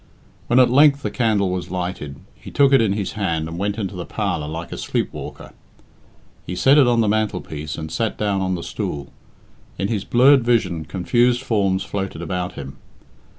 When at length the candle was lighted, he took it in his hand and went into the parlour like a sleepwalker. He set it on the mantelpiece, and sat down on the stool. In his blurred vision confused forms floated about him.